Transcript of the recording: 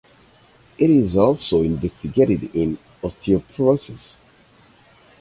It is also investigated in osteoporosis.